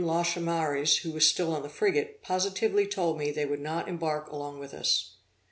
Lachaumareys, who was still on the frigate, positively told me they would not embark along with us.